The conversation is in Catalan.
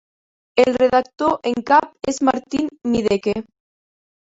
El redactor en cap és Martin Middeke.